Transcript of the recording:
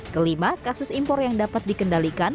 kelima kasus impor yang dapat dikendalikan